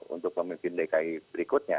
untuk pemimpin dki berikutnya